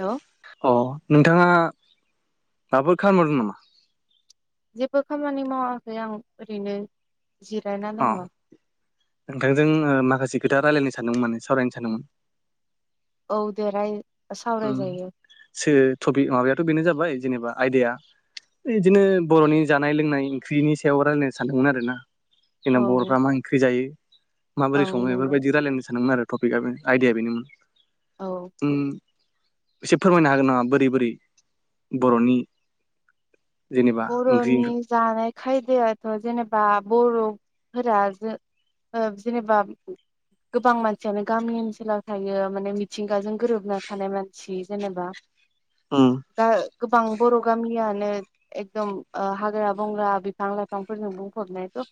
हेल' अ नोंथाङा माबाफोर खामानि मावदों नामा? जेबो खामानि मावाखै आं ओरैनो जिरायना अ दङ। नोंथांजों ओ माखासे खोथा रायलायनो सानदोंमोन माने सावरायनो सानदोंमोन। औ दे राय उम सावरायजायो सो थपि माबायाथ' बेनो जाबाय। जेनेबा आयदाया ओइ इदिनो बर'नि जानाय लोंनाय ओंख्रिनि सायाव रायलायनो सानदोंमोन आरोना। जोंना औ बर'फ्रा मा ओंख्रि जायो औ माबोरै सङो नंगौ इफोरबायदि रायलायनो सानदोंमोन आरो। टपिकआबो आयदाया बेनोमोन। औ। उम एसे फोरमायनो हागोन नामा बोरै बोरै बर'नि जेनेबा ओंख्रि बर'नि जानाय खायदायाथ' जेनेबा बर'फोरा जो जेनेबा गोबां मानसियानो गामि ओनसोलाव थायो माने मिथिंगाजों गोरोबना थानाय मानसि जेनेबा उम। दा गोबां बर' गामियानो एकदम ओ हाग्रा बंग्रा बिफां लाइफांफोरजों बुंफबनाय थ'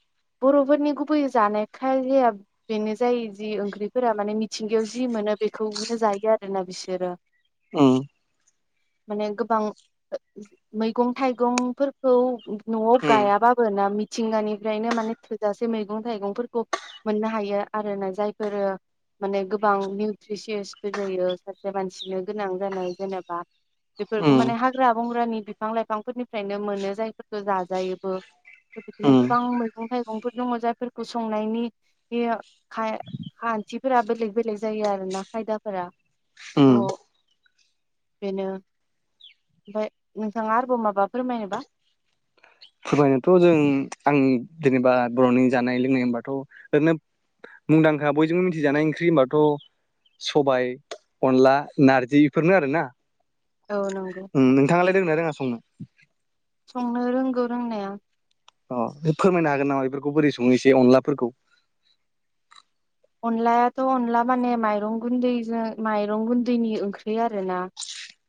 बर'फोरनि गुबै जानाय खाजाया बेनो जायो जि ओंख्रिफोरा माने मिथिंगायाव जि मोनो बेखौनो जायो आरोना बिसोरो। उम। माने गोबां मैगं थाइगंफोरखौ न'आव उम गायाबाबो ना मिथ थिंगानिफ्रायनो माने थोजासे मैगं थाइगंफोरखौ मोननो हायो आरो ना जायफोरो माने गोबां निउट्रिसियासफोर जायो सासे मानसिनो गोनां जानाय जेनेबा बेफोरखौ उम माने हाग्रा बंग्रानि बिफां लाय फांफोरनिफ्रायनो मोनो जायफोरखौ जाजायोबो। बिदिनो उम गोबां मैगं थाइ गंफोर दङ जायफोरखौ संनायनि बे खाय खान्थिफोरा बेलेग बेलेग जायो आरोना खायदाफोरा। उम। थ' बेनो ओमफाय नोंथाङा आर ब माबा फोरमायनोबा फोरमायनोथ' जों आं जेनेबा बर'नि जानाय लोंनाय होनबाथ' ओरैनो मुंदांखा बयजोंबो मिथिजानाय ओंख्रि होनबाथ' सबाय अनला नारजि बेफोरनो आरोना। औ नंगौ ओं नोंथाङालाय रोंङोना रोङा संनो? संनो रोंगौ रोंनाया। अ फोरमायनो हागोन नामा बेफोरखौ बोरै सङो इसे अनलाफोरखौ। अनलायाथ' अनला माने माइरं गुन्दैजों माइरं गुन्दैनि ओंख्रि आरोना।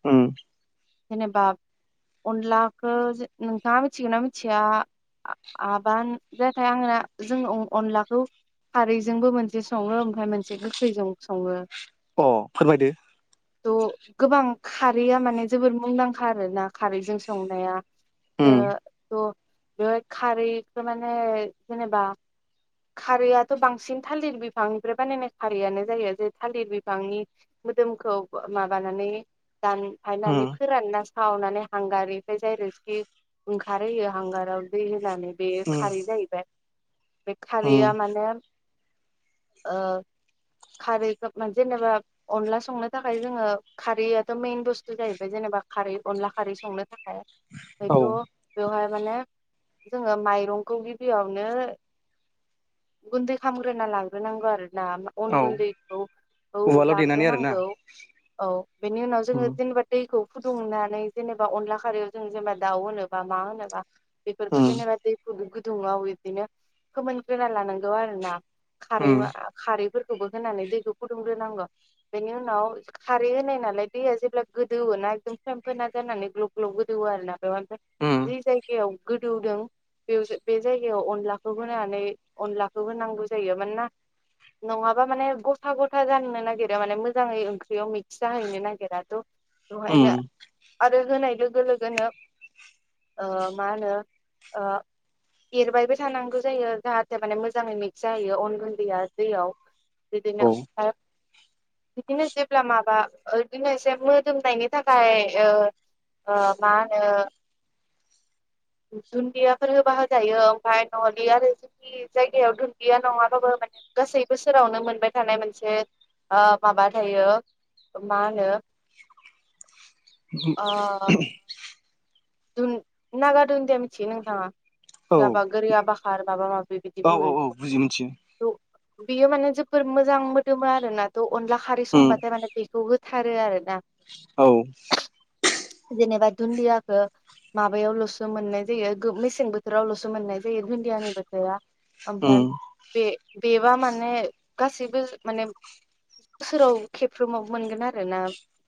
उम। जेनेबा अनलाखो नोंथाङा मिथिगौ ना मिथिया आबान नाथाय आंना जों अनलाखौ खारैजोंबो मोनजा दि सङो ओमफ्राय मोनसे गोखैजों सङो। अ फोरमायदो। थ' गोबां खारैया माने जोबोर मुंदांखा आरोना खारैजों संनाया उम ओ थ बे खारैखो माने जेनेबा खारैआथ' बांसिन थालिर बिफांनिफ्राय बानायनाय खारैआनो जायो जे थालिर बिफांनि मोदोमखौ माबानानै उम दानफायनानै फोराननास खावनानै हांगारनिफ्राय जाय रोसि ओंखारहोयो हांगाराव दै होनानै बे उम खारै जाहैबाय बे उम खारैया माने ओ खारैखौ मोन जेनेबा अनला संनो थाखाय जोङो खारैयाथ' मेन बुस्थु जाहैबाय जेनेबा खारै अनला खारै संनो थाख खाय औ बेथ बेवहाय माने जोङो माइरंखौ गिबियावनो गुन्दै खालामग्रोना लाग्रोनांगौ आरो ना अन औ गुन्दैखौ औ उवालाव देनानै आरोना लाग्रोनांगौ औ बेनि उनाव जोङो उम जेनेबा दैखौ फुदुंनानै जेनेबा अनला खारैयाव जों जेनेबा दाउ होनोबा मा होनोबा बेफोरखौ उम जेनेबा दै फुदुंगोर दुंआव बिबदिनो फोमोनग्रोना लानांगौ आरो ना खारै उम मा खारै फोरखौबोहोनानै दैखो फुदुंग्रोनांगो बेनि उनाव खारै होनायनालाय दैया जेब्ला गोदोवोना एकदम फेंफोना जानानै ग्लोव ग्लोव गोदोवो आरोना बेवहाय ओमफ्राय उम जि जायगायाव गोदौदों बेयाव बे जायगायाव अनला खौ होनानै अनलाखौ होनांगौ जायो मानोना नङाबा माने गथा गथा जानो नागिरो माने मोजाङै ओंख्रियाव मिक्स जाहैनो नागिरा त' दहायनो उम आत होनाय लोगो लोगोनो ओ मा ओनो ओ एरबायबो थानांगो जायो जाहाथे माने मोजाङै मिक्स जाहैयो अन गुन्दैया दैयाव औ बिदिनो ओमफाय बिदिनो जेब्ला माबा ओ इदिनो एसे मोदोमनायनि थाखाय ओ ओ मा होनो दुन्दियाफोर होबा होजायो ओमफ्राय न'लि आरो जोंनि जायगायाव दुन्दिया नङाबाबो माने गासै बोसोरावनो मोनबाय थानाय मोनसे ओ माबा थायो मा ओनो अ दुन नागा दुनदिया मिथिगो नोंथांआ औ गयाबा गोरियाबाखार माबा माबि बिदि औ बुंओ औ औ बिखौ बुजियो मिथियो थु बियो माने जोबोर मोजां मोदोमो आरोना दौ अनला खारै उम संबाथाय माने बेखौ हो थारो आरोना औ जेनेबा दुन्दिया ओ माबायावल'सो मोननाय जायो गो मेसें बोथोरावल'सो मोननाय जायो धुन्दियानि बोथोरा उम ओमफ्राम बे बेबा माने गासैबो माने बोसोराव खेबफ्रोमावबो मोनगोन आरोना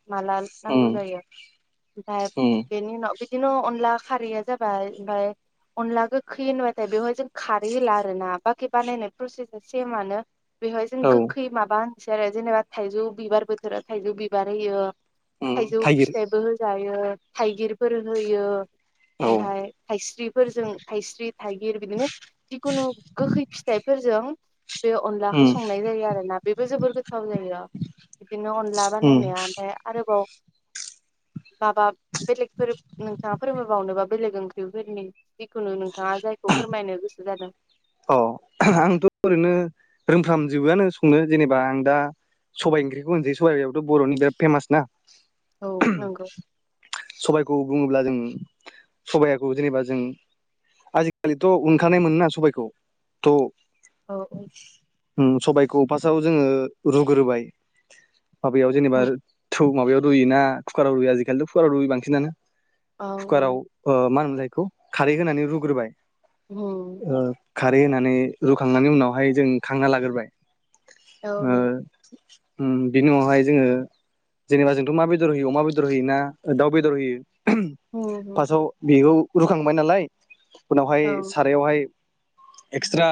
माला उम नांगौ जायो ओमफाय उम बेनि उनाव बिदिनो अनला खारैया जाबाय ओमफाय अनला गोखै ओनबाथाय बेवहाय जों खारै होला आरो ना बाखि बानायनाय प्रसेसा सेमानो बेवहाय जों औ गोखै माबा होन [unintelligible] आरो जेनेबा थाइजौ बिबार बोथोराव थाइजौ बिबार होयो उम थाइजौ थाइगिर फिथाइबो होजा ओ थाइगिर फोर होयो औ ओमफाय थाइस्रिफोरजों थाइस्रि थाइगिर बिदिनो जिकुनु गोखै फिथाइफोर जों बे अनलाखो उम संनाय जायो आरोना बेबो जोबोर गोथाव जायो बिदिनो अनला उम बानायनाया ओमफ्राय आरोबाव माबा बेलेग फोरब नोंथाङा फोरमायबावनोबा बेलेग ओंख्रिफोरनि -खुनु नोंथाङा जायखौ फोरमायनो गोसो जादों अ आंथ' ओरैनो रोंफ्रामजोबोआनो संनो जेनेबा आं दा सबाइ ओंख्रिखौ होनसै सबाइयावथ' बर'नि बिराद फेमास ना औ नोंगौ -खौ बुङोब्ला जों सबायाखौ जेनेबा जों आजिखालिथ' उनखानाय मोनोना सबाइखौ त' औ औ उम सबायखौ फार्स्टआव जोङो रुग्रोबाय माबायाव जेनेबा थु माबायाव रुयो ना कुकाराव रुयो आजिखालिथ कुकाराव रुयो बांसिनानो औ कुकाराव ओ मा होनोमलाय बेखौ खारै होनानै रुग्रोबाय उम ओ खारै होनानै रुखांनायनि उनावहाय जों खांना लाग्रोबाय औ ओ नों उम बिनि उनावहाय जोङो जेनेबा जोंथ मा बेदर होयो अमा बेदर होयो ना दाउ बेदर होयो फासआव बेखौ रुखांबाय नालाय उनावहाय औ सारायावहाय एक्सट्रा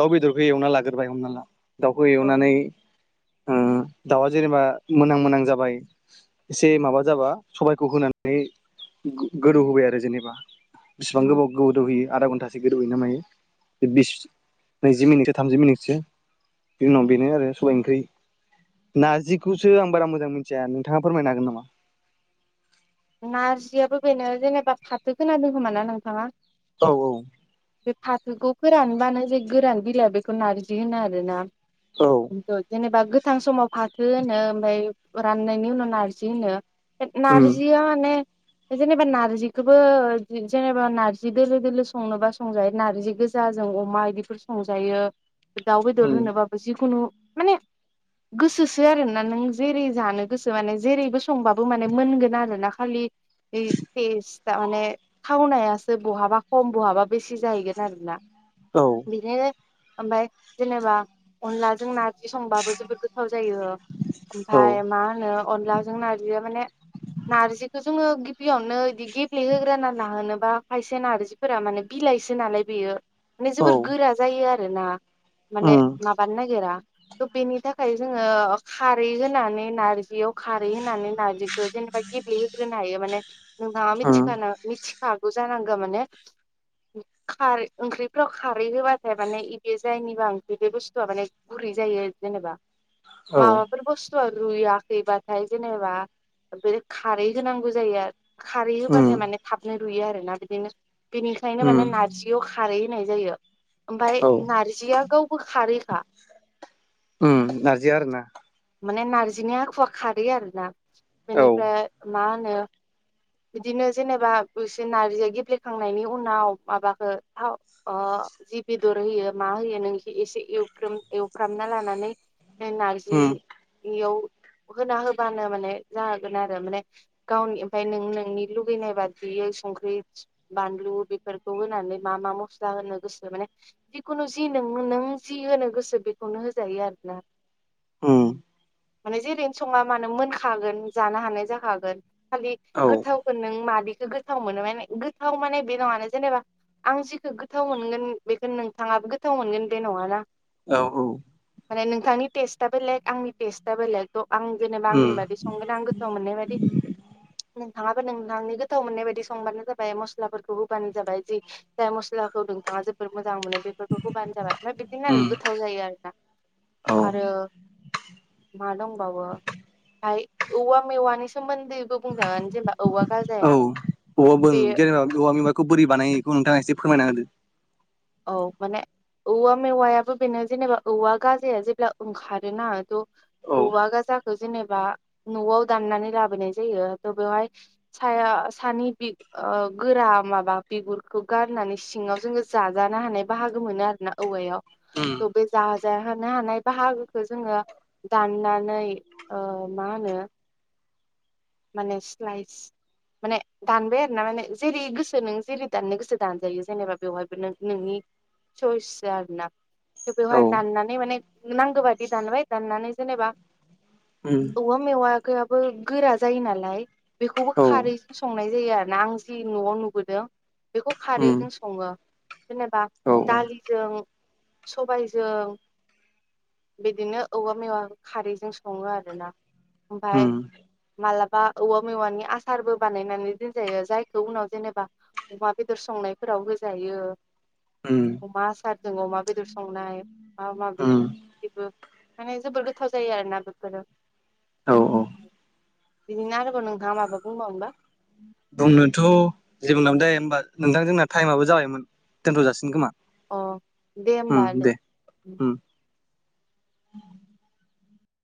दाउ बेदरखौ एवना लाग्रोबाय हमना ला दाउखौ औ एवनानै उम दाउआ जेनेबा मोनहां मोनहां जाबाय एसे माबा जाबा सबायखौ होनानै गोदौ होबाय आरो जेनेबा बेसिबां गोबाव गोदौ होयो आधा घन्टासो गोदौहोयोना मायो बिस नैजि मिनिटसो थामजि मिनिटसो बेनि उनाव बेनो आरो सबाइ ओंख्रि, नारजिखौसो आं बारा मोजां मिथिया नोंथाङा फोरमायनो हागोन नामा? नारजियाबो बेनो, जेनेबा फाथो गोनादों खोमा ना नोंथाङा? औ-औ बे फाथोखौ फोरानबानो जे गोरान बिलाइ बेखौ नारजि होनो आरो ना। औ जेनेबा गो- -थां समाव फाथो होनो ओमफाय राननायनि उनाव नारजि होनो। उम नार- -जि माने जेनेबा नार्जिखौबो जेनेबा नार्जि दोलो-दोलो संनोबा संजायो नार्जि गोजा जों अमा बिदिफोर संजायो। दाउ बेदर उम होनोबाबो जिखुनु माने गोसोसो आरोना नों जेरै जानो गोसो माने जेरैबो संबाबो माने मोनगोन आर ओ ना खालि। इ टेस्ट थारमाने थावनायासो बहाबा खम बहाबा बेसि जाहैगोन आरोना। औ बिदिनो ओमफाय जेनेबा अनलाजों नारजि संबाबो जोबोद गोथाव जायो औ ओमफाय मा होनो अनलाजों नारजिया माने जिखौ जोङो गिबियावनो इदि गेफ्ले होग्रोना नाहोनो बा खायसे नारजिफोरा माने बिलाइसो नालाय बेयो माने जोबोर औ गोरा जायो आरो ना। माने उम माबानो नागिरा। त' बेनि थाखाय जोङो खारै होनानै नारजियाव खारै होननानै नाजिखो जेनेबा दै होग्रोनाय यो माने नोंथांया उम मिथिखाना मिथि खागु जानांगौ माने खारै ओंख्रिफ्राव खारै होबाथाय माने इदि जायनिबा ओंख्रि बे बुस्थुआ माने गुरै जायो जेनेबा औ माबाफोर बस्थु' रुइ आखैबाथाय जेनेबा बे खारै होनांगौ जायो आरो। खारै उम होबाथाय माने थाबनो रुयो आरोना बिदिनो बेनिखायनो उम माने नारजियाव खारै होनाय जायो। ओमफ्राय औ नारजिया गावबो खारै खा। उम नारजिया आरोना? माने नारजिनि आखुवा खारै आरो ना? औ माने ओमफ्राय मा होनो बिदिनो जेनेबा बिसोर नारजिया गेब्लेखांनायनि उनाव माबाखो थाव ओ जि बेदर होयो मा होयो नों इखौ इसे एवफ्रोम एवफ्रामना लानानै नारजि उम याव होना होबानो माने जा गोन आरो माने गावनि ओमफाय नों नोंनि लुगैनाय बादियै संख्रि बानलु बेफोरखौ होनानै मा मा मस्ला होनो गोसो माने जिखुनु जि नों नों जि होनो गोसो बेखौनो होजायो आरोना। उम माने जेरैनो सङा मानो मोनखागोन। जानो हानाय जाखागोन। खालि औ औ गोथावखौ नों मादि इखो गोथाव मोनो माने गोथाव माने बे नङाना जेनेबा आं जिखो गोथाव मोनगोन बेखो नोंथाङाबो गोथाव मोनगोन बे नङाना? औ औ माने नोंथांनि टेस्टआ बेलेग आंनि टेस्टआ बेलेग आं जेनेबा आंनि उम बादि संगोन। गोथाव मोननाय बादि। नोंथाङाबो नोंथांनि गोथाव मोननाय बायदि संबानो जाबाय मस्लाफोरखौ होबानो जाबाय जि जाय मस्लाखौ नोंथाङा जोबोर मोज जां मोनो बेफोरखौ होबानो जाबाय ओमफाय बिदिनो आरो उम गोथाव जायो आरोना औ आरो मा दंबावो फाय औवा मेवानि सोमोन्दै औ औवा बुं बे जेनेबा औवा बिबाखौ बोरै बानायो बेखौ नोंथाङा एसे फोरमायना होदो। औ माने औवा मेवायाबो बेनो जेनेबा औवा गाजाया जेब्ला ओंखारोना थ' औ औवा गाजाखो जेनेबा न'आव दाननानै लाबोनाय जायो थ' बेवहाय साया सानि बि ओ गोरा माबा बिगुरखौ गारनानै सिङाव जोङो। जाजानो हानाय बाहागो मोनो आरोना औवायाव उम थ' बे जाजानो हानाय बाहागोखौ जोङो दाननानै ओ मा होनो माने स्लाइस माने दानबाय आरोना माने जेरै गोसो नों जेरै दाननो गोसो दानजायो जेनेबा बेवहायबो नों नोंनि सयस आरोना थ' औ बेवहाय दाननानै माने नांगो बादि दानबाय दाननानै जेनेबा उम औवा मेवा खो आबो गोरा जायो नालाय बेखौबो औ खारैजों संनाय जायो आरोना आं जि न'आव नुबोदों बेखौ उम खारैजों सङो जेनेबा औ दालिजों सबायजों बिदिनो औवा मेवा खारैजों सङो आरोना ओमफाय उम मालाबा औवा मेवानि आसारबो बानायनानै दोनजायो जायखौ उनाव जेनेबा अमा बेदर संनायफोराव होजायो उम अमा आसारजों अमा बेदर संनाय माबा माबि उम बेबो माने जोबोर गोथाव जायो आरोना बेफोरो। औ बिदिनो आरोबाव नोंथाङा माबा बुंबावनोबा? बुंनोथ' जेबो [unintelligible] दाया होमबा नोंथां जोंना टाइमाबो जाबायमोन दोनथ' जासिगोन खोमा अ दे उम होमबा दे [unintelligible] उम [inaudible]